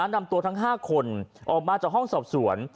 นำตัวทั้ง๕คนออกมาจากห้องสอบสวน